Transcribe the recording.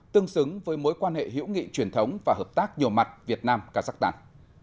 tương xứng với mối quan hệ hiểu nghị truyền thống và hợp tác nhiều mặt việt nam cazakhstan